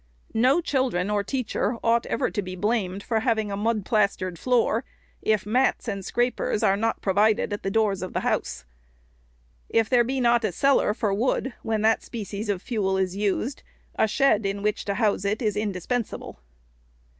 No children or teacher ought ever to be blamed for having a mud plastered floor, if mats and scrapers are not placed at the doors of the house. If there be not a cellar for wood when that species 488 REPORT OF THE SECRETARY of fuel is used, a shed in which to house it is indispen sable.